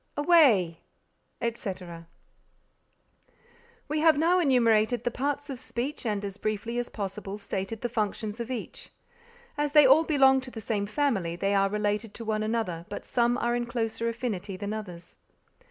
away!_ etc. We have now enumerated the parts of speech and as briefly as possible stated the functions of each. As they all belong to the same family they are related to one another but some are in closer affinity than others.